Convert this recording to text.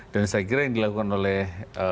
dan saya kira yang dilakukan oleh